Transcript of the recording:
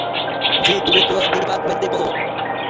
জি তুমি কোন ডিপার্টমেন্টে পড়ো?